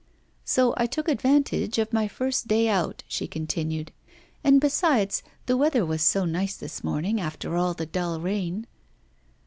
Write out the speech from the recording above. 'So I took advantage of my first day out,' she continued. 'And besides, the weather was so nice this morning after all the dull rain.